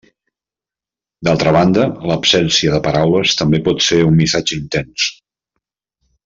D'altra banda, l'absència de paraules també pot ser un missatge intens.